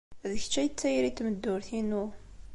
D kečč ay d tayri n tmeddurt-inu.